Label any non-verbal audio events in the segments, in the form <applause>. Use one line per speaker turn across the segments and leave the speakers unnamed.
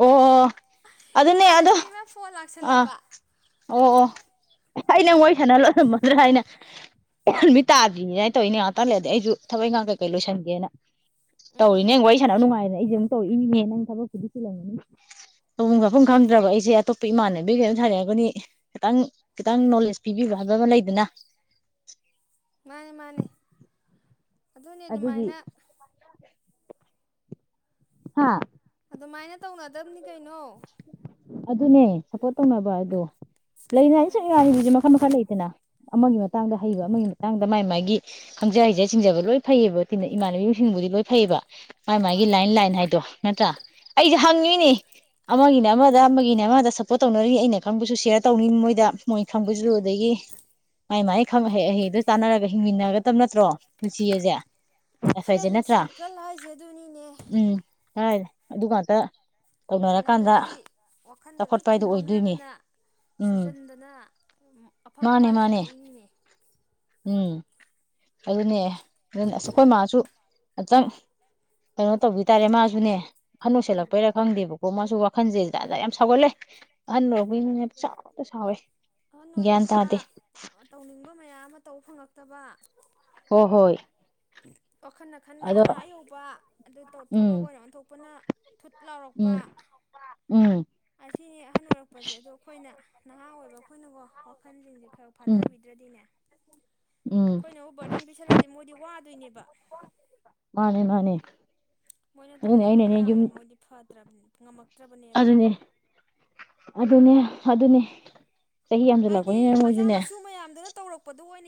ꯑꯣ ꯑꯣ ꯑꯗꯨ ꯑꯗꯨꯅꯅꯦ ꯑꯗꯣ
ꯏꯃꯥꯟꯅꯕꯤ ꯑꯃ ꯐꯣꯟ
ꯑꯥ
ꯂꯥꯛꯁꯜꯂꯕ
ꯑꯣ ꯑꯣ ꯑꯩ ꯅꯪ ꯋꯥꯔꯤ ꯁꯥꯟꯅ ꯂꯣꯏꯔꯝꯃꯗ꯭ꯔꯥ ꯍꯥꯏꯅ ꯅꯨꯃꯤꯠ ꯇꯥꯗ꯭ꯔꯤꯅꯤꯅ ꯍꯥꯏꯅ ꯇꯧꯔꯤꯅꯦ ꯉꯥꯏꯍꯥꯛꯇ ꯂꯩ ꯑꯗꯤ ꯑꯩꯁꯨ ꯊꯕꯛ ꯏꯪꯥꯡ ꯀꯩꯀꯩ ꯂꯣꯏꯁꯟꯒꯦꯅ
ꯎꯝ
ꯇꯧꯔꯤꯅꯦ ꯅ ꯋꯥꯔꯤ ꯁꯥꯟꯅꯕ ꯅꯨꯡꯉꯥꯏꯗꯅ ꯑꯩꯁꯦ ꯇꯧꯔꯤ ꯏꯅꯦ ꯅꯪ ꯊꯕꯛꯄꯨꯗꯤ ꯊꯤꯜꯂꯝꯒꯅꯤ ꯇꯧꯐꯝ ꯈꯐꯝ ꯈꯪꯗ꯭ꯔꯕ ꯑꯩꯁꯦ ꯑꯇꯣꯞꯄ ꯏꯃꯥꯟꯅꯕꯤ ꯀꯝ ꯁꯥꯟꯅꯑꯒꯅꯤ ꯈꯤꯇꯪ ꯈꯤꯇꯪ ꯅꯣꯂꯦꯖ ꯄꯤꯕꯤꯕ ꯍꯥꯏꯕ ꯑꯃ ꯂꯩꯗꯅ
ꯃꯥꯅꯦ ꯃꯥꯅꯦ ꯑꯗꯨꯅꯤ ꯑꯗꯨꯃꯥꯏꯅ
ꯍꯥꯥ
ꯑꯗꯨꯃꯥꯏꯅ ꯇꯧꯅꯗꯕꯅꯤ ꯀꯩꯅꯣ
ꯑꯗꯨꯅꯦ ꯁꯞꯄꯣꯔꯠ ꯇꯧꯅꯕ ꯑꯗꯣ ꯂꯩꯅꯤ ꯍꯥꯏ
ꯎꯝ
ꯁꯨꯝ ꯋꯥꯅꯤꯉꯏꯃꯥꯟꯕꯤ ꯃꯈꯟ ꯃꯈꯜ ꯂꯩꯗꯅ ꯑꯃꯒꯤ ꯃꯇꯥꯡꯗ ꯍꯩꯕ ꯑꯃꯒꯤ ꯃꯇꯥꯡꯗ ꯃꯥꯥꯏ ꯃꯥꯒꯤ ꯈꯪꯖ ꯍꯩꯖ ꯁꯤꯡꯖꯕ ꯂꯣꯏ ꯐꯩꯌꯦꯕ ꯏꯃꯥꯟꯅꯕꯤꯁꯤꯡꯕꯨꯗꯤ ꯂꯣꯏ ꯐꯩꯌꯦꯕ ꯃꯥꯥꯏ ꯃꯥꯒꯤ
ꯍꯣꯏ
ꯂꯥꯏꯟ ꯂꯥꯏꯟ ꯍꯥꯏꯗꯣ ꯅꯠꯇꯔ ꯑꯩꯁꯦ
ꯎꯝ
ꯍꯪꯉꯤꯅꯦ ꯑꯃꯒꯤꯅꯦ ꯑꯃꯗ ꯑꯃꯒꯤꯅꯦ ꯑꯃꯗ ꯁꯞꯄꯣꯔꯠ ꯇꯧꯅꯔꯤ ꯑꯩꯅ ꯈꯪꯕꯨꯁꯨ ꯁꯦꯌꯔ ꯇꯧꯅꯤ ꯃꯣꯏꯗ ꯃꯣꯏ ꯈꯥꯡꯕꯨꯖꯨ
ꯎꯝ
ꯑꯗꯒꯤ ꯃꯥꯏ ꯃꯥꯏ ꯈꯪ ꯑꯍꯩ ꯑꯍꯩꯗꯨꯣ ꯇꯥꯟꯅꯔꯒ ꯍꯤꯡꯃꯤꯟꯅꯒꯗꯕ ꯅꯠꯇ꯭ꯔꯣ ꯄꯨꯟꯁꯤ ꯑꯁꯦ ꯑꯐꯔꯁꯦ
ꯐ꯭ꯔꯦꯟ
ꯅꯠꯇ꯭ꯔꯥ
ꯁꯥꯔꯀꯜ ꯍꯥꯏꯁꯦ ꯑꯗꯨꯅꯤꯅꯦ
ꯑꯗꯨꯒ ꯉꯥꯛꯇ ꯇꯧꯅꯔꯀꯥꯟꯗ
ꯅꯠꯇ꯭ꯔꯗꯤ ꯋꯥꯈꯟꯗꯣ ꯂꯣꯏ
ꯆꯥꯎꯈꯠꯄ ꯍꯥꯏꯗꯣ ꯑꯣꯏꯗꯣꯏꯅꯤ
ꯐꯨꯝꯕꯪꯅꯗꯅ
ꯎꯝ
ꯁꯨꯖꯟꯗꯅ ꯑꯐꯛ
ꯃꯥꯅꯦ
ꯑꯄꯥꯏ
ꯃꯥꯅꯦ
ꯆꯨꯗꯣꯏꯅꯤꯅꯦ
ꯎꯝ ꯑꯗꯨꯅꯦ ꯑꯗꯨ ꯑꯁ ꯑꯩꯈꯣꯏ ꯃꯥꯁꯨ ꯑꯇꯪ ꯀꯩꯅꯣ ꯇꯧꯕꯤ ꯇꯥꯔꯦ ꯃꯥꯁꯨꯅꯦ ꯑꯍꯟꯅꯧ ꯁꯦꯠꯂꯛꯄꯩꯥ ꯈꯪꯗꯦꯕꯣ ꯣ ꯃꯁꯨ ꯋꯥꯈꯜꯁꯦꯁꯤꯗ ꯑ ꯌꯥꯝ ꯁꯥꯎꯒꯠꯂꯦ ꯑꯍ ꯂꯧꯕꯒꯤꯅꯤꯅ ꯆꯥꯎꯅ ꯁꯥꯎꯋꯦ
ꯑꯍꯟ
ꯒ꯭ꯌꯥꯟ
ꯑꯣꯏꯔꯛꯄ
ꯇꯥꯗꯦ
ꯇꯧꯅꯤꯡꯕ ꯃꯌꯥꯝ ꯑꯃ ꯇꯧꯕ ꯐꯪꯉꯛ ꯇꯕ
ꯍꯣ ꯍꯣꯏ
ꯋꯥꯈꯜ ꯈꯟꯕꯅ
ꯑꯗꯣ
ꯑꯥ ꯑ ꯌꯧꯕ ꯑꯗꯨ ꯊꯕꯛ
ꯎꯝ
ꯑꯣꯏꯅꯔꯝ ꯑꯣꯟ ꯊꯣꯛꯄꯅ ꯊꯨꯠ ꯂꯥꯎꯔꯛꯄ
ꯎꯝ ꯎꯝ
ꯑꯁꯤꯅꯤ ꯑꯍꯟ ꯑꯣꯏꯔꯛꯄꯁꯦ ꯑꯗ ꯑꯩꯈꯣꯏꯅ ꯅ ꯑꯣꯏꯗꯣ ꯑꯩꯈꯣꯏꯅꯕꯣ ꯋꯥꯈꯜꯁꯤꯡꯁꯦ ꯈ
ꯎꯝ
ꯐꯥꯊꯕꯤꯗ꯭ꯔꯗꯤꯅꯦ
ꯎꯝ
ꯑꯩꯈꯣꯏꯅꯕꯨ ꯕꯔꯗꯟ ꯄꯤꯁꯜꯂꯗꯤ ꯃꯣꯏꯗꯤ ꯋꯥꯗꯣꯏꯅꯦꯕ
ꯃꯥꯅꯦ ꯃꯥꯅꯦ
ꯃꯣꯏꯅ
ꯑꯗꯨꯅꯦ
ꯇꯧꯅꯤꯡꯕ
ꯑꯩꯅꯅꯦ ꯌꯨꯝ
ꯃꯌꯥꯝꯗꯣ ꯃꯣꯏꯗꯤ ꯐ꯭ꯔ ꯉꯝꯃꯛꯇ꯭ꯔꯕꯅꯦꯕ
ꯑꯗꯨꯅꯦ ꯑꯗꯨꯅꯦ ꯑꯗꯨꯅꯦ ꯆꯍꯤ
ꯍꯥꯏꯗꯤ
ꯌꯥꯝꯁꯤꯜꯂꯛꯄꯅꯤꯅ
ꯃꯆꯥ
ꯃꯣꯏꯁꯨꯅꯦ
ꯃꯁꯨ ꯃꯌꯥꯝꯗꯨꯅ ꯇꯧꯔꯛꯄꯗꯨ ꯑꯣꯏ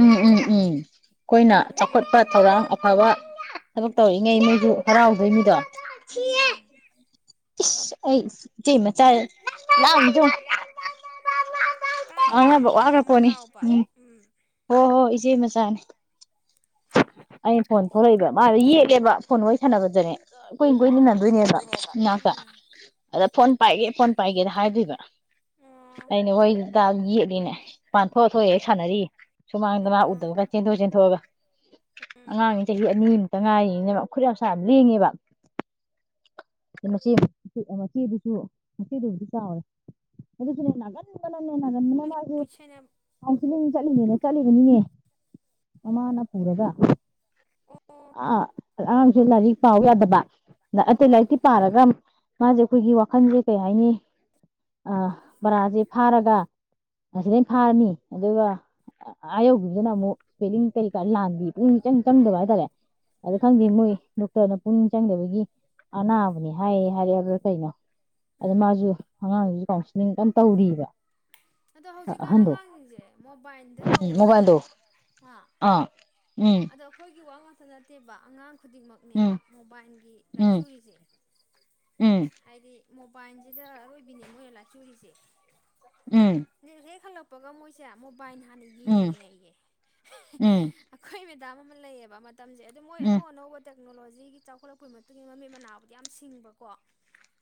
ꯎꯝ ꯎꯝ ꯎꯝ ꯑꯩꯈꯣꯏꯅ ꯆꯥꯎꯈꯠꯄ
ꯑꯗꯨꯒꯤꯅꯦꯕ
ꯊꯧꯔꯥꯡ ꯑꯐꯕ ꯊꯕꯛ ꯇꯧꯔꯤꯉꯩ ꯅꯣꯏꯁꯨ ꯍꯔꯥꯎꯕꯩ ꯃꯤꯗꯣ
ꯎꯝ
ꯁꯤ ꯑꯩ ꯃ ꯆꯜ ꯂꯖ
ꯇꯥꯏꯅꯦ ꯑꯉꯥꯡ ꯑꯃ ꯂꯥꯎꯕ ꯎꯝ
ꯍꯣ ꯍꯣ ꯏꯆꯦ ꯃꯆꯥꯅꯦ ꯑꯩꯅ ꯐꯣꯟ ꯊꯣꯛꯂꯛꯏꯕ ꯃꯥꯗꯣ ꯌꯦꯠꯂꯦꯕ ꯐꯣꯟ ꯋꯥꯔꯤ ꯁꯥꯟꯅꯕꯗꯅꯦ ꯀꯨꯏꯅ
ꯎꯝ
ꯀꯨꯟꯃꯤꯟꯅꯗꯣꯏꯅꯦꯕ ꯏꯅꯥꯛꯇ
ꯎꯝ
ꯑꯗ ꯐꯣꯟ ꯄꯥꯏꯒꯦ ꯐꯣꯟ ꯄꯥꯏꯒꯦꯅ ꯍꯥꯏꯗꯣꯏꯕ
ꯑꯣ
ꯑꯩꯅ ꯍꯣꯏ ꯇꯥ ꯌꯦꯛꯂꯤꯅꯦ ꯄꯥꯟꯊꯣꯛꯑ ꯊꯣꯛꯑꯒ ꯍꯦꯛ ꯁꯥꯟꯅꯔꯤ ꯁꯨꯃꯥꯡꯗ
ꯑꯣ
ꯃꯥꯎꯗꯕꯒ ꯆꯦꯟꯊꯣꯛꯑ ꯆꯦꯟꯊꯣꯛꯑꯒ
ꯎꯝ
ꯑꯉꯥꯡ ꯆꯍꯤ ꯑꯅꯤꯃꯨꯛꯇ ꯉꯥꯏꯔꯤꯅꯤꯅꯦꯕ ꯃꯈꯨꯠ ꯃꯁꯥ ꯌꯥꯝ ꯂꯦꯡꯉꯦꯕ ꯃꯆꯦ ꯃꯆꯦꯗꯨꯁꯨ ꯃꯆꯦꯗꯨꯕꯨꯗꯤ ꯆꯥꯎꯔꯦ ꯑꯗꯨꯁꯨꯅꯦ ꯅꯥꯟ ꯅꯦ ꯅꯥꯒꯟꯕꯅ ꯃꯥꯁꯨ
ꯃꯣꯏ ꯁꯦꯟꯅ
ꯀꯥꯎꯟꯁꯤꯂꯤꯡ ꯆꯠꯂꯤꯅꯦꯅ ꯆꯠꯂꯤꯕꯅꯤꯅꯦ ꯑꯃꯅ ꯍꯧꯔꯒ
ꯑꯣ
ꯑꯥ ꯑꯉꯥꯡꯁꯨ ꯂꯥꯏꯔꯤꯛ ꯄꯥꯎ ꯌꯥꯗꯕ ꯑꯇꯩ
ꯑꯣ
ꯂꯥꯏꯔꯤꯛꯇꯤ ꯄꯥꯔꯒ ꯃꯥꯁꯦ ꯑꯩꯈꯣꯏꯒꯤ ꯋꯥꯈꯟꯁꯦ ꯀꯩ ꯍꯥꯏꯅꯤ ꯄꯔꯥꯁꯦ ꯐꯥꯔꯒꯗ ꯐꯥꯔꯅꯤ ꯑꯗꯨꯒ ꯑꯥ ꯌꯧꯈꯤꯕꯗꯨꯅ ꯑꯃꯨꯛ ꯏꯁꯄꯦꯂꯤꯡ ꯀꯩ ꯂꯥꯟꯗꯤ ꯄꯨꯨꯡꯅꯤꯡ ꯏꯆꯪ ꯆꯪꯗꯕ ꯍꯥꯏꯇꯥꯔꯦ ꯑꯗꯨ
ꯎꯝ
ꯈꯪꯗꯦ ꯃꯣꯏ ꯅ ꯄꯨꯛꯅꯤꯡ ꯆꯪꯗꯕꯒꯤ ꯑꯅꯥꯕꯅꯤ ꯍꯥꯏꯌꯦ ꯍꯥꯏꯔꯛꯑꯦ ꯍꯥꯏꯕ꯭ꯔꯥ ꯀꯩꯅꯣ ꯑꯗ
ꯎꯝ
ꯃꯥꯁꯨ ꯑꯉꯥꯡꯁꯨ ꯀꯥꯎꯁ ꯀꯩꯝ ꯇꯧꯗꯔꯤꯕ
ꯑꯗꯣ ꯍꯧꯖꯤꯛꯀꯥꯟ ꯑꯉꯥꯡꯁꯤꯡꯁꯦ ꯃꯣꯕꯥꯏꯜꯗ
ꯎꯝ
ꯇꯧꯔꯦꯕ
ꯃꯣꯕꯥꯏꯜꯗꯣ
ꯌꯥꯝꯅ ꯑ
ꯑꯥ ꯎꯝ
ꯑꯗ ꯑꯩꯈꯣꯏꯒꯤ ꯋꯥꯍꯪ ꯇ ꯅꯠꯇꯦꯕ ꯑꯉꯥꯡ
ꯎꯝ
ꯈꯨꯗꯤꯡꯃꯛꯅꯦꯕ ꯃꯣꯕꯥꯏꯜꯒꯤ
ꯎꯝ
ꯂꯥꯏꯆꯨꯔꯤꯁꯦ
ꯎꯝ
ꯍꯥꯏꯗꯤ ꯃꯣꯕꯥꯏꯜꯁꯤꯗ ꯑꯔꯣꯏꯕꯤꯅꯦ ꯃꯣꯏꯅ ꯂꯥꯏꯆꯨꯔꯤꯁꯦ
ꯎꯝ
ꯍ ꯈꯜꯂ ꯃꯣꯏꯁꯦ ꯃꯣ ꯕꯥꯥꯏ ꯍꯥꯟꯅ
ꯎꯝ
ꯌꯦꯡꯉꯦꯌꯦ
ꯎꯝ
ꯑꯩꯈꯣꯏ ꯃꯦꯗꯥꯝ ꯂꯩꯌꯦꯕ ꯄꯇꯝꯖꯩ ꯑꯗꯣ ꯃꯣꯏ
ꯎꯝ
ꯑꯅꯧ ꯑꯅꯧꯕꯗ ꯇꯦꯛꯅꯣꯂꯣꯖꯤꯒꯤ ꯆꯥꯎꯈꯠꯂꯛꯄꯒꯤ ꯃꯇꯨꯡ ꯏꯟꯅ ꯃꯃꯤꯠ ꯃꯅꯥꯕꯨꯗꯤ ꯌꯥꯝ ꯁꯤꯡꯕꯀꯣ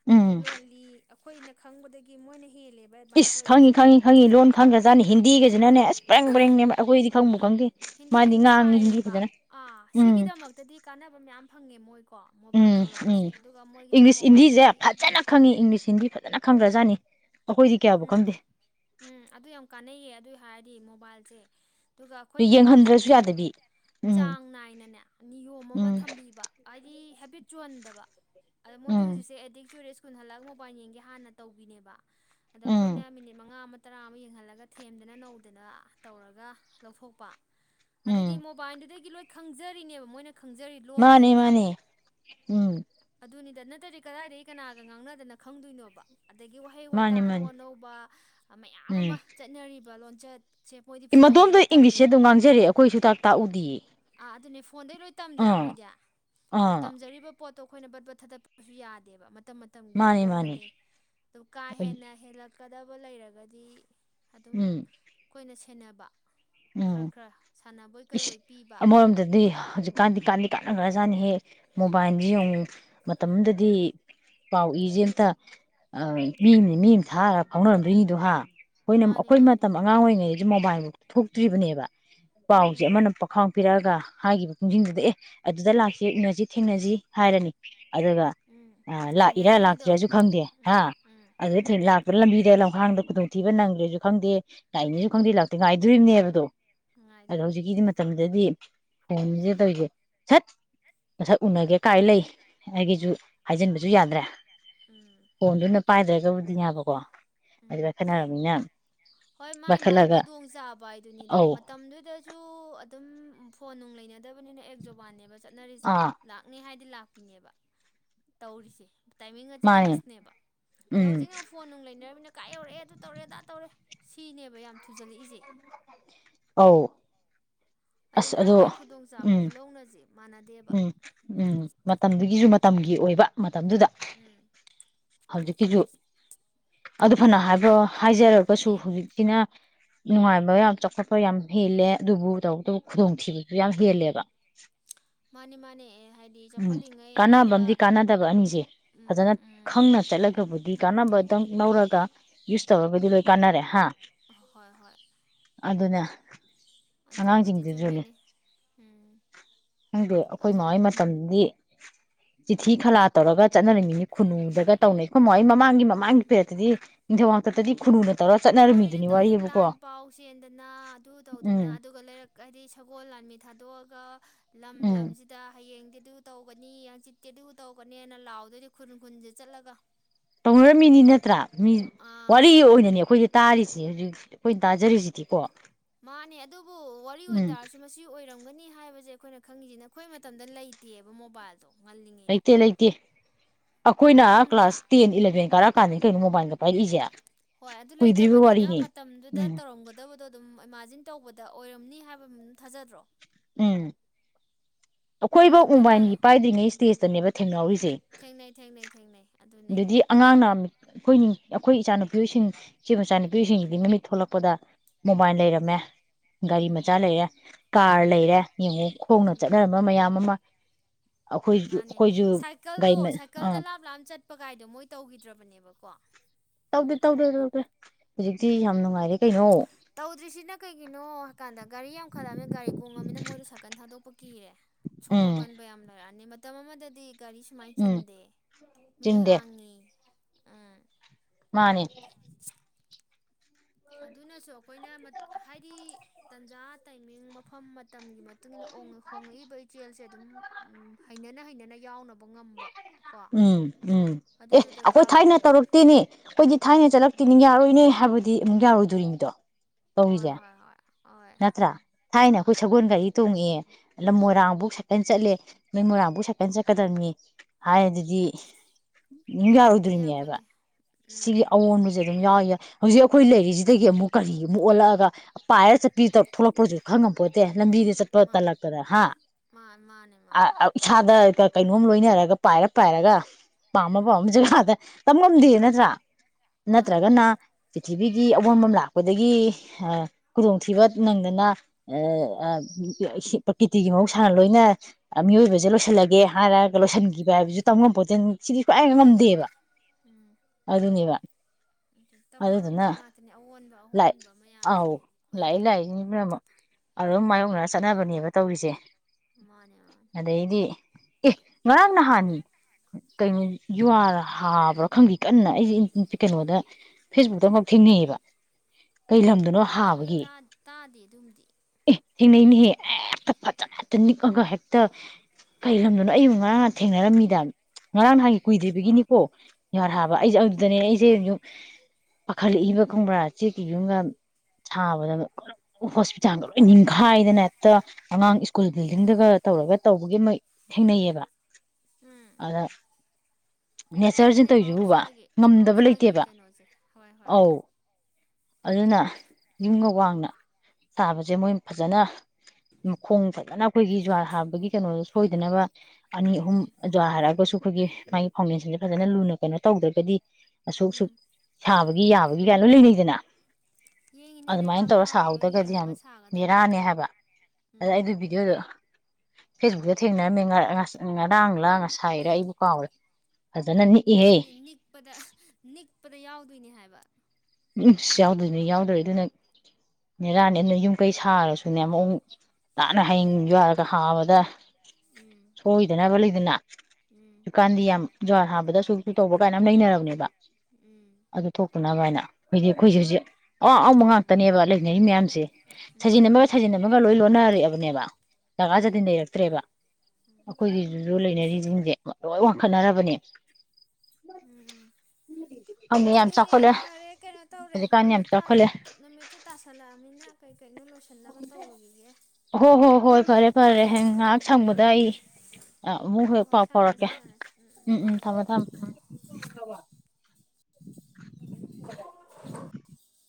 ꯍꯥꯏꯗꯤ
ꯎꯝ
ꯂꯣꯂꯤ ꯑꯩꯈꯣꯏꯅ ꯈꯪꯕꯗꯒꯤ ꯃꯣꯏꯅ ꯍꯦꯜꯂꯦꯕ ꯑꯗꯨ ꯑꯦꯗꯚꯥꯟꯁ
ꯏꯁ ꯈꯪꯉꯤ
ꯑꯣꯏꯕꯁꯦ
ꯈꯪꯉꯤ ꯈꯪꯉꯤ ꯂꯣꯟ ꯈꯪꯒꯔꯖꯥꯠꯅꯤ ꯍꯤꯟꯗꯤꯒꯁꯤꯅꯅꯦ
ꯑꯥ
ꯑꯁ ꯕꯔꯦꯡ ꯕꯔꯦꯡꯅꯤꯕ ꯑꯩꯈꯣꯏꯗꯤ ꯈꯪꯕꯨ ꯈꯪꯗꯦ
ꯍꯤꯟꯗꯤ
ꯃꯥꯗꯤ
ꯏꯪꯂꯤꯁ
ꯉꯥꯡꯉꯤ ꯍꯤꯟꯗꯤ
ꯄꯥꯏꯔꯦꯕ
ꯐꯖꯅ ꯎꯝ
ꯌꯥꯝ ꯐꯪꯉꯦ ꯃꯣꯏ
ꯎꯝ ꯎꯝ ꯏꯪꯂꯤꯁ ꯏꯤꯟꯗꯤꯁꯦ
ꯃꯣꯕꯥꯏꯜꯗꯒꯤ
ꯐꯖꯅ ꯈꯪꯉꯤ ꯏꯪꯂꯤꯁ ꯍꯤꯟꯗꯤ ꯐꯖꯅ ꯈꯪꯈ꯭ꯔꯖꯥꯠꯅꯤ
ꯎꯝ ꯎꯝ ꯑꯗꯨ ꯌꯥꯝ ꯀꯥꯟꯅꯩꯌꯦ ꯑꯗꯨ ꯍꯥꯏꯔꯗꯤ ꯃꯣꯕꯥꯏꯜꯁꯦ ꯑꯗꯨꯒ ꯑꯩꯈꯣꯏꯅ ꯃꯁꯤꯁꯦ
ꯌꯦꯡꯍꯟꯗ꯭ꯔꯁꯨ
ꯌꯥꯝꯁꯦ
ꯌꯥꯗꯕꯤ ꯎꯝ
ꯆꯥꯡ ꯅꯥꯏꯅꯅꯦ ꯅꯤꯌꯣꯝ ꯑꯃ
ꯎꯝ
ꯊꯝꯕꯤꯕ ꯍꯥꯏꯗꯤ ꯄꯤꯆꯟꯗꯕ ꯑꯗ ꯃꯣꯏꯗꯤ
ꯎꯝ
ꯍꯧꯖꯤꯁꯦ ꯑꯦꯗꯤꯛꯁ ꯁ꯭ꯀꯨꯜ ꯍꯜꯂꯛꯒ ꯃꯣꯕꯥꯏꯜ ꯌꯦꯡꯒꯦ ꯍꯥꯟꯅ ꯇꯧꯕꯤꯅꯦꯕ ꯑꯗ ꯑꯩꯈꯣꯏꯅ
ꯎꯝ
ꯃꯤꯅꯤꯠ ꯃꯉꯥ ꯑꯃ ꯇꯔꯥ ꯑꯃ ꯌꯦꯡꯍꯜꯂꯒ ꯊꯦꯝꯗꯅ ꯅꯧꯗꯅ ꯇꯧꯔꯒ ꯂꯧꯊꯣꯛꯄ
ꯎꯝ
ꯑꯗꯗꯤ ꯃꯣꯕꯥꯏꯟꯗꯗ ꯀꯤꯂꯣ ꯈꯪꯖꯔꯤꯅꯦꯕ ꯃꯣꯏꯅ ꯈꯪꯖꯔꯤ ꯂꯣꯜꯂꯤ
ꯃꯥꯅꯦ ꯃꯥꯅꯦ
ꯃꯌꯥꯝꯗꯣ
ꯎꯝ
ꯑꯗꯨꯅꯤꯗ ꯅ ꯅꯠꯇꯗꯤ ꯀꯗꯥꯏꯗꯒꯤ ꯀꯅꯥꯒ ꯉꯥꯡꯅꯗꯅ ꯈꯪꯗꯣꯏꯅꯣꯕ ꯑꯗꯒꯤ ꯋꯥꯍꯩ
ꯃꯥꯅꯦ
ꯇ ꯑꯅꯧ
ꯃꯥꯅꯦ
ꯑꯅꯧꯕ ꯃꯌꯥꯝ ꯑꯃ ꯆꯠꯅꯔꯤꯕ ꯂꯣꯟ ꯆꯠ
ꯃꯇꯗꯣꯝꯗ ꯏꯪꯂꯤꯁꯁꯦ ꯑꯗꯨꯝ ꯉꯥꯡꯖꯔꯛꯑꯦ ꯑꯩꯈꯣꯏ ꯁꯇꯥꯛ ꯇꯥꯛꯎꯗꯤꯌꯦ
ꯑꯥ ꯑꯗꯨꯅꯦ ꯐꯣꯟꯗꯩ ꯂꯣꯏ ꯇꯝꯗ꯭ꯔꯥ
ꯑꯥ
ꯃꯣꯏꯗꯤ ꯑꯗꯣ
ꯑꯥ
ꯇꯝꯖꯔꯤꯕ ꯄꯣꯠ ꯑꯩꯈꯣꯏꯅ ꯕꯠ ꯕ ꯊꯥꯗꯠꯄꯁꯨ ꯌꯥꯗꯦꯕ ꯃꯇꯝ ꯃꯇꯝꯒꯤ
ꯃꯥꯅꯦ ꯃꯥꯅꯦ
ꯑꯍꯣꯡꯕꯅꯤ ꯑꯗꯨ ꯀꯥꯏ ꯍꯦꯟꯅ ꯍꯦꯂꯛ ꯆꯠꯀꯗꯕ ꯂꯩꯔꯒꯗꯤ ꯑꯗꯨꯝ
ꯎꯝ
ꯑꯩꯈꯣꯏꯅ ꯈꯦꯟꯅꯅꯕ
ꯎꯝ
ꯀꯩꯑꯣꯏ ꯄꯤꯕ
ꯑꯃꯔꯣꯝꯗꯗꯤ ꯍꯧꯖꯤꯛꯀꯥꯟꯗꯤ ꯀꯥꯟꯗꯤ ꯀ ꯑꯖꯥꯅꯤ ꯍꯦꯛ ꯃꯣꯕꯥꯏꯜꯗꯨ ꯌꯦꯡ ꯃꯇꯝꯗꯗꯤ ꯄꯥꯎ ꯏꯖꯦ ꯑꯝꯇ ꯃꯤ ꯑꯃ ꯃꯤ ꯑꯃ ꯊꯥꯔꯒ ꯐꯥꯎꯅꯔꯝꯗꯣꯏꯅꯤꯗꯣ ꯍꯥ ꯑꯩꯈꯣꯏꯅ
ꯃꯥꯅꯦ
ꯑꯩꯈꯣꯏ
ꯃꯥꯅꯦ
ꯃꯇꯝ ꯑꯉꯥꯡ ꯑꯣꯏꯔꯤꯉꯩ ꯃꯣꯕꯥꯏꯜ ꯊꯣꯛꯇ꯭ꯔꯤꯕꯅꯦꯕ ꯄꯥꯎꯁꯦ
ꯎꯝ
ꯑꯃꯅ ꯄꯥꯈꯥꯎ ꯄꯤꯔꯛꯑꯒ ꯍꯥꯏꯈꯤꯕ ꯄꯨꯡꯁꯤꯡꯗꯨꯗ ꯑꯦ ꯑꯗꯨꯗ ꯂꯥꯛꯁꯤ ꯎꯅꯁꯤ ꯊꯦꯡꯅꯁꯤ ꯍꯥꯏꯔꯅꯤ ꯑꯗꯨꯒ
ꯎꯝ
ꯂꯥꯛꯏꯔꯥ
ꯉꯥꯏꯅꯗꯣꯏꯅꯤꯗꯣ
ꯂꯥꯛꯇꯔꯥꯁꯨ ꯈꯪꯗꯦ ꯍꯥ
ꯎꯝ ꯎꯝ
ꯑꯗꯨꯗ ꯊ
ꯎꯝ
ꯂꯥꯛꯄꯅ ꯂꯝꯕꯤꯗ ꯂꯝꯈꯥꯡꯗ ꯈꯨꯗꯣꯡ ꯊꯤꯕ ꯅꯪ꯭ꯔꯦꯁꯨ ꯈꯪꯗꯦ ꯑꯩꯅꯤꯁꯨ ꯈꯝꯗꯤ
ꯎꯝ
ꯂꯥꯛꯇꯦꯥꯏꯗꯤ ꯗꯣ ꯑꯗꯣ
ꯉꯥꯏꯗꯣꯏꯅꯤ
ꯍꯧꯖꯤꯛꯀꯤꯗꯤ ꯃꯇꯝꯗꯗꯤ ꯐꯣꯟꯁꯦ ꯇꯧꯔꯤꯖꯦ ꯁꯠ ꯃꯁꯛ ꯎꯅꯒꯦ ꯀꯥꯏ ꯂꯩ ꯍꯥꯏꯒꯤꯁꯨ ꯍꯥꯏꯖꯤꯟꯕꯁꯨ ꯌꯥꯗ꯭ꯔꯦ꯫
ꯎꯝ
ꯐꫭꯟꯗꯨꯅ ꯄꯥꯏꯗ꯭ꯔ꯫ ꯑꯗꯨꯕꯨꯗꯤ ꯌꯥꯕꯀꯣ꯫ ꯑꯗꯨꯗ
ꯎꯝ
ꯈꯠꯅꯔꯕꯃꯤꯅ ꯄꯥꯏꯈꯠꯂꯒ꯫
ꯗꫭꯡ ꯆꯥꯕ ꯍꯥꯏꯗꯨꯅꯤꯗ
ꯑꯧ
ꯃꯇꯝꯗꯨꯗꯁꯨ꯫ ꯑꯗꯨꯝ ꯐꯣꯟ ꯅꯨꯡ ꯂꯩꯅ꯫ ꯗꯕꯅꯤꯅ ꯑꯦꯛ ꯖꯕꯥꯟꯅꯦꯕ ꯆꯠꯅꯔꯤꯁꯦ
ꯑꯥ
ꯂꯥꯛꯅꯤ ꯍꯥꯏꯗꯤ ꯂꯥꯛ꯫ ꯥꯄꯤꯅꯦꯕ ꯇꯧꯔꯤꯁꯦ꯫ ꯇꯥꯏꯃꯤꯡꯒꯥꯁꯤ
ꯃꯥꯅꯦ
ꯐꯤꯛꯁꯅꯦꯕ ꯑꯗꯣ
ꯎꯝ
ꯍꯧꯖꯤꯛꯅ ꯐꯣꯟ ꯅꯨꯡ ꯂꯩꯅꯝꯃꯤꯅ꯫ ꯀꯥꯏ ꯌꯧꯔꯛꯑꯦ ꯑꯗꯨ ꯇꯧꯔꯦ ꯑꯗꯥ ꯇꯧꯔꯦ ꯁꯤꯅꯦꯕ ꯌꯥꯝ ꯊꯨꯖꯜꯂꯛꯏꯁꯦ꯫
ꯑꯧ꯫
ꯑꯗ
ꯑꯁ
ꯃꯥꯏ
ꯑꯗꯣ
ꯃꯥꯏ ꯈꯨꯗꯣꯡ ꯆꯥꯕ
ꯎꯝ
ꯈꯨꯜꯍꯧꯅꯁꯦ꯫
ꯎꯝ ꯎꯝ ꯃꯇꯝꯗꯨꯒꯤꯁꯨ꯫ ꯇꯝꯒꯤ ꯑꯣꯏꯕ ꯃꯇꯝꯗꯨꯗ꯫
ꯎꯝ꯫
ꯍꯧꯖꯤꯛꯀꯤꯁꯨ ꯑꯗꯨ ꯐꯅ ꯍꯥꯏꯕ ꯍꯥꯏꯖꯔꯒꯁꯨ ꯍꯧꯖꯤꯛꯀꯤꯖꯨꯑꯗꯨ ꯐꯅ ꯍꯥꯏꯕ ꯍꯥꯏꯖꯔꯒꯁꯨ ꯍꯧꯖꯤꯛꯀꯤꯅ ꯅꯨꯡꯉꯥꯏꯕ ꯌꯥꯝ ꯆꯥꯎꯈꯠꯄ ꯌꯥꯝ ꯍꯦꯜꯂꯦ ꯑꯗꯨꯕꯨ ꯇꯧꯕꯇꯕꯨ ꯈꯨꯗꯣꯡꯊꯤꯕꯁꯨ ꯌꯥꯝ ꯍꯦꯜꯂꯦꯕ꯫
ꯃꯥꯅꯦ ꯃꯥꯅꯦ ꯍꯥꯏꯗꯤ
ꯎꯝ
ꯆꯥꯎꯈꯠꯂꯤꯉꯩ
ꯀꯥꯟꯅꯕ
ꯑꯩꯈꯣꯏꯗ
ꯑꯃꯗꯤꯝ ꯀꯥꯟꯅꯗꯕ ꯑꯅꯤꯁꯦ
ꯎꯝ
ꯐꯖꯅ
ꯎꯝ
ꯈꯪꯅ ꯆꯠꯂꯒꯕꯨꯗꯤ꯫ ꯀꯥꯟꯅꯕꯗꯪ ꯂꯧꯔꯒ ꯌꯨꯁ ꯇꯧꯔꯒꯗꯤ ꯂꯣꯏ ꯀꯥꯟꯅꯔꯦ ꯍꯥ꯫
ꯍꯣꯏ ꯍꯣꯏ꯫
ꯑꯗꯨꯅ꯫
ꯑꯗꯨꯗꯕꯨꯗꯤ
ꯑꯉꯥꯡꯁꯤꯡꯗꯨꯁꯨꯅꯤ
ꯆꯨꯝꯃꯤꯅꯦ꯫
ꯈꯪꯗꯦ ꯑꯈꯣꯏ ꯃꯥꯍꫭꯏ ꯃꯇꯝꯗꯤ꯫ <unintelligible> ꯆꯤꯊꯤ ꯊꯂꯥ ꯇꯧꯔꯒ ꯆꯠꯅꯔꯝꯃꯤꯅꯤ ꯈꯨꯟꯅꯨꯗꯒ ꯇꯧꯅꯩ ꯑꯈꯣꯏ ꯃꯥꯍꫭꯏ ꯃꯃꯥꯡꯒꯤ ꯃꯃꯥꯡꯒꯤ ꯐꯦꯁꯇꯗꯤ ꯅꯤꯡꯊꯧ ꯍꯥꯛꯇꯛꯇꯗꯤ ꯈꯨꯅꯨꯅ꯫ ꯇꯧꯔꯒ
ꯇꯧꯔꯤꯅꯦ
ꯆꯠꯅꯔꯝꯃꯤꯗꯨꯅꯤ
ꯇꯧꯔꯤꯅꯦ
ꯋꯥꯔꯤꯕꯨꯀꯣ
ꯂꯥꯟ ꯄꯥꯎ ꯆꯦꯟꯗꯅ ꯑꯗꯨ ꯇꯧꯗꯅ
ꯎꯝ
ꯑꯗꯨꯒ ꯂꯩꯔꯛ ꯍꯥꯏꯗꯤ ꯁꯒꯣꯜ ꯂꯥꯟꯃꯤ꯫ ꯊꯥꯗꯣꯛꯑꯒ꯫ ꯂꯝ
ꯎꯝ
ꯂꯝꯁꯤꯗ ꯍꯌꯦꯡ꯫ ꯇꯤꯗꯨ ꯇꯧꯒꯅꯤ ꯍꯥꯡꯆꯤꯠꯇꯤ ꯗꯨ ꯇꯧꯒꯅꯦꯅ ꯂꯥꯎꯗꯣꯏꯗꯤ ꯈꯨꯟ ꯈꯨꯟꯁꯦ ꯆꯠꯂꯒ꯫
ꯇꯧꯅꯔꯝꯃꯤꯅꯤ ꯅꯠꯇ꯭ꯔꯥ꯫ ꯃꯤ
ꯑꯥ
ꯋꯥꯔꯤ ꯑꯣꯏꯅꯅꯦ ꯑꯈꯣꯏꯁꯦ ꯇꯥꯔꯤꯁꯦ ꯍꯧꯖꯤꯛ꯫ ꯑꯈꯣꯏ ꯇꯥꯖꯔꯤꯁꯤꯗꯤꯀꯣ꯫
ꯃꯥꯅꯦ ꯑꯗꯨꯕꯨ ꯋꯥꯔꯤ
ꯎꯝ
ꯑꯣꯏꯇꯥꯔꯁꯨ ꯃꯁꯤ ꯑꯣꯏꯔꯝꯒꯅꯤ꯫ ꯍꯥꯏꯕꯁꯦ ꯑꯈꯣꯏꯅ ꯈꯪꯉꯤꯁꯤꯅ ꯑꯈꯣꯏ ꯃꯇꯝꯗ ꯂꯩꯇꯦꯕ ꯃꯣꯕꯥꯏꯜꯗꯣ꯫ ꯉꯜꯂꯤꯉꯩꯗ
ꯂꯩꯇꯦ ꯂꯩꯇꯦ ꯑꯈꯣꯏꯅ
ꯆꯨꯝꯗ꯭ꯔꯥ
ꯀ꯭ꯂꯥꯁ ꯇꯦꯟ ꯏꯂꯚꯦꯟ ꯀꯥꯔꯛ꯫ ꯀꯥꯟꯅꯤ ꯀꯩꯅꯣ ꯃꯣꯕꯥꯏꯜꯗ ꯄꯥꯏꯛꯏꯁꯦ
ꯍꯣꯏ ꯑꯗꯨ ꯂꯩꯇꯕꯅꯤꯅ ꯃꯇꯝꯗꯨꯗ
ꯎꯝ
ꯇꯧꯔꯝꯒꯗꯕꯗꯣ ꯑꯗꯨꯝ ꯏꯃꯥꯖꯤꯟ ꯇꯧꯕꯗ ꯑꯣꯏꯔꯝꯅꯤ ꯍꯥꯏꯕꯝ ꯊꯥꯖꯗ꯭ꯔꯣ
ꯎꯝ
ꯑꯗ
ꯑꯩꯈꯣꯏꯐꯧ
ꯀꯅꯥ
ꯎꯕꯥꯏꯟꯒꯤ ꯄꯥꯏꯗ꯭ꯔꯤꯉꯩ ꯏꯁꯇꯦꯖꯇꯅꯦꯕ ꯊꯦꯡꯅꯥꯎꯔꯤꯁꯦ
ꯊꯦꯡꯅꯩ ꯊꯦꯡꯅꯩ ꯊꯦꯡꯅꯩ ꯑꯗꯨꯅꯦ
ꯑꯗꯨꯗꯤ ꯑꯉꯥꯡꯅꯝꯃꯤ ꯑꯩꯈꯣꯏ ꯑꯩꯈꯣꯏ ꯏꯆꯥꯅꯨꯄꯤꯁꯤꯡ ꯁꯤ ꯏꯆꯥꯅꯨꯄꯤꯁꯤꯡꯁꯤꯗꯤ ꯅꯨꯃꯤꯠ ꯊꯣꯛꯂꯛꯄꯗ ꯃꯣꯕꯥꯏꯜ ꯂꯩꯔꯝꯃꯦ ꯒꯥꯔꯤ
ꯎꯝ
ꯃꯆꯥ ꯂꯩꯔꯦ ꯀꯥꯔ
ꯎꯝ
ꯂꯩꯔꯦ ꯌꯦꯡꯉꯨ
ꯎꯝ
ꯈꯣꯡꯅ ꯆꯠꯅꯔꯝꯕ ꯃꯌꯥꯝ ꯑꯃ ꯑꯩꯈꯣꯏꯁꯨ
ꯃꯥꯅꯦ
ꯑꯩꯈꯣꯏꯁꯨ
ꯁꯥꯏꯀꯜꯗꯣ
ꯒꯥꯔꯤ
ꯁꯥꯏꯀꯜꯗ
ꯑꯥ
ꯂꯥꯞ ꯂꯥꯞ ꯆꯠ ꯆꯠꯄ ꯀꯥꯏꯗꯣ ꯃꯣꯏ ꯇꯧꯈꯤꯗ꯭ꯔꯕꯅꯦꯕꯀꯣ
ꯇꯧꯗꯦ ꯇꯧꯗꯦ ꯇꯧꯗ꯭ꯔꯦ
ꯎꯝ ꯇꯧꯗ꯭ꯔꯤꯁꯤꯅ ꯀꯩꯒꯤꯅꯣ ꯍꯥꯏꯀꯥꯟꯗ ꯒꯥꯔꯤ ꯌꯥꯝꯈꯠꯂꯑꯃꯤꯅ ꯒꯥꯔꯤ ꯀꯨꯡꯉꯕꯅꯤ ꯃꯣꯏꯁꯨ ꯁꯥꯀꯟ ꯊꯥꯗꯣꯛꯄꯒꯤ ꯀꯤꯔꯦ ꯁꯣꯛꯄ
ꯎꯝ
ꯄꯟꯕ ꯌꯥꯝ ꯂꯩꯔꯛꯑꯅꯤ ꯃꯇꯝ ꯃꯗꯗꯤ ꯒꯥꯔꯤ ꯁꯨꯃꯥꯏꯅ
ꯎꯝ
ꯆꯤꯟꯗꯦ ꯃꯤ
ꯆꯤꯟꯗꯦ
ꯍꯥꯡꯉꯤ ꯎꯝ
ꯃꯥꯅꯤ
<inaudible> ꯑꯗꯨꯅꯁꯨ ꯑꯩꯈꯣꯏꯅ ꯍꯥꯏꯗꯤ ꯇꯟꯖꯥ ꯇꯥꯏꯃꯤꯡ ꯃꯐꯝ ꯃꯇꯝꯒꯤ ꯃ ꯃꯇꯨꯡ ꯏꯟꯅ ꯑꯣꯡ ꯍꯣꯡꯉꯛꯏꯕ ꯆꯦꯜꯁꯦ ꯑꯗꯨꯝ ꯍꯩꯅꯅ ꯍꯩꯅꯅ ꯌꯥꯎꯅꯕ ꯉꯝꯕ ꯀꯣ
ꯎꯝ ꯎꯝ ꯑꯦ
ꯑꯗꯨꯁꯨ
ꯑꯩꯈꯣꯏ
ꯗꯔꯀꯥꯔ
ꯊꯥꯏꯅ
ꯑꯣꯏꯌꯦꯕ
ꯇꯧꯔꯛꯇꯦꯅꯦ ꯑꯩꯈꯣꯏꯗꯤ ꯊꯥꯏꯅ ꯆꯠꯂ ꯇꯤꯅꯤ ꯌꯥꯔꯣꯏꯅꯦ ꯍꯥꯏꯕꯗꯤ ꯑꯃꯨꯛ ꯌꯥꯎꯔꯣꯏꯗꯣꯔꯤꯅꯤꯗꯣ
ꯍꯣꯏ
ꯇꯧꯋꯤꯖꯦ
ꯍꯣꯏ ꯍꯣꯏ ꯍꯣꯏ
ꯅꯠꯇ꯭ꯔ ꯊꯥꯏꯅꯦ ꯑꯩꯈꯣꯏ ꯁꯒꯣꯜ ꯒꯥꯔꯤ ꯇꯣꯡꯉꯛꯑꯦ ꯂꯝ ꯃꯣꯏꯔꯥꯡꯐꯧ ꯁꯥꯏꯀꯜ ꯆꯠꯂꯦ ꯅ ꯃꯣꯏꯔꯥꯡꯐꯧ ꯁꯥꯏꯀꯜ ꯆꯠꯀꯗꯕꯅꯤ ꯍꯥꯏ ꯑꯗꯨꯗꯤ ꯡ
ꯌꯥꯄꯣꯠꯇꯦ
ꯌꯥꯔꯨꯗꯣꯔꯤꯅꯦꯑꯕ
ꯌꯥꯄꯣꯠꯇꯦ
ꯁꯤꯒꯤ
ꯎꯝ
ꯑꯑꯣꯟꯕꯁꯦ ꯑꯗꯨꯝ ꯌꯥꯎꯋ ꯌꯥꯏ ꯍꯧꯖꯤꯛ ꯑꯩꯈꯣꯏ ꯂꯩꯔꯤꯁꯤꯗꯒꯤ ꯑꯃꯨꯛ ꯀꯔꯤ ꯑꯃꯨꯛ ꯑꯣꯜꯂꯛꯑꯒ ꯄꯥꯏꯔ ꯆꯠꯄꯤ ꯊꯣꯛꯂꯛꯄꯁꯨ ꯈꯪꯉꯝꯄꯣꯠꯇꯦ ꯂꯝꯕꯤꯗ ꯆꯠꯄ ꯇꯂꯛꯇꯅ ꯍꯥ
ꯃꯥ ꯃꯥꯅꯦ ꯃꯥꯅꯦ
ꯑ ꯏꯁꯥꯗ ꯀ ꯀꯩꯅꯣꯝ ꯂꯣꯏꯅꯔꯒ ꯄꯥꯏꯔ ꯄꯥꯏꯔꯒ ꯄꯥꯝꯃ ꯄꯥꯝꯕ
ꯎꯝ
ꯖꯒꯥꯗ ꯇꯝꯉꯝꯗꯦ ꯅꯠꯇ꯭ꯔꯥ
ꯃꯥꯅꯦ
ꯅꯠꯇ꯭ꯔꯒꯅ ꯄ꯭ꯊꯤꯕꯤ ꯒꯤ ꯑꯑꯣꯟꯕꯝ ꯂꯥꯛꯄꯗꯒꯤ ꯈꯨꯗꯣꯡꯊꯤꯕ ꯅꯪꯗꯅ ꯑ ꯑ ꯄ꯭ꯔꯀꯤꯇꯤꯒꯤ ꯃꯍꯧꯁꯥꯅ ꯂꯣꯏꯅ ꯃꯤꯑꯣꯏꯕꯁꯦ ꯂꯣꯏꯁꯤꯜꯂꯒꯦ ꯍꯥꯏꯔꯒ ꯂꯣꯏꯟ ꯍꯥꯏꯕꯁꯨ ꯇꯝꯉꯝꯄꯣꯠꯇꯦ ꯁꯤꯗꯤ ꯁꯏ
ꯉꯝꯗꯦ
ꯉꯝꯗꯦꯕ
ꯉꯝꯗꯦ ꯎꯝ
ꯑꯗꯨꯅꯦꯕ
ꯇꯝꯕ
ꯑꯗꯨꯗꯨꯅ
ꯉꯝꯗꯕ ꯉꯥꯛꯇꯅꯤ ꯑꯑꯣꯟꯕ
ꯂꯥꯛ
ꯑꯍꯣꯟꯕ ꯃꯌꯥꯝꯁꯦ
ꯑꯥꯎ
ꯑꯩꯈꯣꯏ
ꯂꯥꯛꯏ
ꯑꯗꯨꯝ
ꯂꯥꯛꯏ ꯄꯨꯝꯅꯃꯛ ꯑꯗꯨꯝ ꯃꯥꯥꯏꯌꯣꯛꯅꯔ ꯆꯠꯅꯕꯅꯦꯕ ꯇꯧꯔꯤꯁꯦ
ꯃꯥꯅꯦ ꯃꯥꯅꯦ
ꯑꯗꯩꯗꯤ ꯑꯦ ꯃꯥ ꯅ ꯍꯥꯟꯅꯤ ꯀꯩꯅꯣ ꯌꯨ ꯑꯥꯔ ꯍꯥꯕ꯭ꯔꯥ ꯈꯪꯗ ꯀꯟꯅ ꯑꯩꯁꯦ ꯀꯩꯅꯣꯗ ꯐꯦꯁꯕꯨꯛꯇ ꯑꯃꯐꯛ ꯊꯦꯡꯅꯩꯑꯌꯦꯕ ꯀꯩ ꯂꯝꯗꯅꯣ
ꯑꯣ ꯑꯩ
ꯍꯥꯕꯒꯤ
ꯇꯥꯗꯦ ꯑꯗꯨꯝꯗꯤ
ꯊꯦꯡꯅꯩꯅꯦꯍꯦ ꯍꯦꯛꯇ ꯐꯖꯅ ꯍꯦꯛꯇ ꯅꯤꯛꯑꯒ ꯍꯦꯛꯇ ꯀꯩ ꯂꯝꯗꯨꯅꯣ ꯑꯩꯕꯨ ꯉꯔꯥꯡ ꯊꯦꯡꯅꯔꯝꯃꯤꯗ ꯉꯔꯥꯡ ꯅꯍꯥꯟꯒꯤ ꯀꯨꯏꯗ꯭ꯔꯤꯕꯒꯤꯅꯤꯀꯣ ꯌꯥꯔ ꯍꯥ ꯍꯥꯏꯕ
ꯎꯝ
ꯑꯩꯁꯦ ꯑꯗꯨꯗꯅꯦ ꯑꯩꯁꯦ ꯏꯆꯦ ꯌꯛ ꯄꯥꯈꯠꯂꯛꯏꯕ ꯈꯪꯕ꯭ꯔꯥ ꯆꯆꯦ ꯀ ꯌꯨꯝꯒ ꯁꯥꯕꯗ ꯍꯣꯁꯄꯤꯇꯥꯜꯒ ꯂꯣꯏ ꯅꯤꯡꯈꯥꯏꯗꯅ ꯍꯦꯛꯇ ꯑꯉꯥꯡ ꯁ꯭ꯀꯨꯜ ꯕꯤꯜꯗꯤꯡꯗꯒ ꯇꯧꯔꯒ ꯇꯧꯕꯒꯤ ꯃ ꯊꯦꯡꯅꯩꯑꯕ ꯑꯗ ꯅꯦꯆꯔꯁꯤꯅ
ꯁꯤꯅꯤ
ꯇꯧꯔꯤꯁꯤꯕꯨꯕ
ꯃꯍꯧꯁꯥꯒꯤ
ꯉꯝꯗꯕ
ꯃꯍꯧꯁꯥꯒꯤ
ꯂꯩꯇꯦꯕ
ꯀꯩꯅꯣꯁꯦ ꯍꯣꯏ ꯍꯣꯏ
ꯑꯧ ꯑꯗꯨꯅ ꯌꯨꯝꯒ ꯋꯥꯡꯅ ꯁꯥꯥꯕꯁꯦ ꯃꯣꯏ ꯐꯖꯅ ꯃꯈꯣꯡ ꯐꯖꯅ ꯑꯩꯈꯣꯏꯒꯤ ꯖꯨꯍꯥꯔ ꯍꯥꯕꯒꯤ ꯀꯩꯅꯣꯗꯣ ꯁꯣꯏꯗꯅꯕ ꯑꯅꯤ ꯍꯨꯝ
ꯎꯝ
ꯖꯋꯥ ꯍꯥꯔꯥꯒꯁꯨ ꯑꯩꯈꯣꯏꯒꯤ ꯃꯥꯒꯤ ꯐꯥꯎꯟꯗꯦꯁꯟꯁꯦ ꯐꯖꯅ ꯂꯨꯅ ꯀꯩꯅꯣ ꯇꯧꯗ꯭ꯔꯒꯗꯤ ꯑꯁꯨꯛ ꯑꯁꯨꯛ
ꯎꯝ
ꯁꯥꯕꯒꯤ ꯌꯥꯕ ꯍꯧꯒꯤ ꯀꯅꯨ ꯂꯩꯅꯤꯁꯤꯅ
ꯌꯦꯡꯉꯤꯅꯦ
ꯑꯗꯨꯃꯥꯏꯅ
ꯂꯩꯕꯥꯛ
ꯇꯧꯔꯒ
ꯂꯩꯍꯥꯎꯒ ꯂꯣꯏ
ꯁꯥꯍꯧꯗ꯭ꯔꯒꯗꯤ ꯌꯥꯝ
ꯌꯦꯡꯉꯒ ꯁꯥꯒꯗꯕꯅꯤ
ꯅꯤꯔꯥꯅꯤ ꯍꯥꯏꯕ ꯑꯗ
ꯎꯝ
ꯑꯩꯒꯤ ꯚꯤꯗꯤꯑꯣꯗꯣ ꯐꯦꯁꯕꯨꯛꯇ ꯊꯦꯡꯅꯔ ꯃꯉꯔ ꯎ ꯉꯔꯥꯡ ꯂꯥꯡꯅ ꯁꯥꯏꯔꯦ ꯑꯩꯕꯨ ꯀꯥꯎꯔꯦ ꯐꯖꯅ ꯅꯤꯛꯏꯍꯦ
ꯅꯠꯇꯗꯤ ꯅꯤꯛꯄꯗ ꯅꯤꯛꯄꯗ ꯌꯥꯎꯗꯣꯏꯅꯤ ꯍꯥꯏꯕ
ꯎꯝ ꯌꯥꯎꯗꯣꯏꯅꯤ ꯌꯥꯎꯗ꯭ꯔꯦ ꯑꯗꯨꯅ ꯃꯦꯔꯥꯅꯤ ꯑꯗꯨꯅ ꯌꯨꯝ ꯀꯩ ꯁꯥꯔꯁꯨꯅꯦ ꯃꯑꯣꯡ ꯂꯅꯥꯅ ꯍꯌꯦꯡ ꯌꯣꯔꯒ ꯍꯥꯕꯗ
ꯎꯝ
ꯁꯣꯏꯗꯅꯕ ꯂꯩꯗꯅ
ꯎꯝ
ꯆꯨꯀꯥꯟꯗꯤ ꯌꯥꯝ ꯖꯨꯍꯥꯔ ꯍꯥꯥꯗ ꯁꯁꯨ ꯇꯧꯕ ꯀꯥꯏꯅ ꯑꯃ ꯂꯩꯔꯕꯅꯦꯕ
ꯎꯝ
ꯁꯅꯥꯕꯥꯏꯅ ꯍꯥꯏꯗꯤ ꯑꯩꯈꯣꯏꯁꯦ ꯍꯧꯖꯤꯛ ꯑ ꯑꯥꯎꯕ
ꯎꯝ
ꯉꯥꯛꯇꯅꯦꯕ ꯂꯩꯅꯔꯤ ꯃꯌꯥꯝꯁꯦ ꯁꯥꯖꯤꯟꯅ
ꯎꯝ
ꯑꯃꯒ ꯁꯥꯩꯖꯤꯟ ꯑꯃꯒ ꯂꯣꯏ ꯂꯣꯟꯅꯔꯛꯑꯕꯅꯦꯕ ꯖꯀ
ꯃꯥꯅꯦ
ꯖꯥꯗꯤꯟ
ꯃꯥꯅꯦ
ꯂꯩꯩꯔꯛꯇ꯭ꯔꯦꯕ
ꯎꯝ
ꯑꯩꯈꯣꯏꯒꯤ ꯑꯗꯨ ꯂꯩꯅꯔꯤꯁꯤꯡꯁꯦ ꯂꯣꯏ ꯋꯥꯡꯈꯠꯅꯔꯕꯅꯦ
ꯎꯝ ꯎꯝ
ꯈꯪꯗꯦ ꯌꯥꯝ
ꯑꯗꯨꯅꯦ
ꯆꯥꯎꯈꯠꯂꯦ
ꯐꯔꯦ ꯀꯩꯅꯣ ꯇꯧꯔꯦ
ꯍꯧꯖꯤꯛꯀꯥꯟ
ꯅꯨꯃꯤ
ꯌꯥꯝ ꯆꯥꯎꯈꯠꯂꯦ
ꯅꯨꯃꯤꯠꯁꯦ ꯇꯥꯁꯜꯂꯛꯑꯃꯤꯅ ꯀꯩ ꯀꯩꯅꯣ ꯈꯟꯅꯕ ꯇꯧꯔꯨꯈꯤꯒꯦ
ꯍꯣ ꯍꯣ ꯍꯣꯏ ꯐꯔꯦ ꯐꯔꯦ ꯍ ꯉꯥꯏꯥꯛ
ꯎꯝ
ꯁꯪꯕꯗ ꯑꯩ ꯑ ꯑꯃꯨꯛ
ꯍꯣꯏ
ꯍꯦꯛ
ꯍꯣꯏ
ꯄꯥꯎ ꯐꯥꯎꯔꯛꯀꯦ
ꯁꯥꯟꯅꯁꯤ ꯁꯥꯟꯅꯁꯤ
ꯎꯝ ꯎꯝ
ꯊꯝꯃꯣ
ꯊꯝꯃꯦ
ꯊꯝꯃꯣ
ꯊꯝꯃꯃꯦꯝ <unintelligible>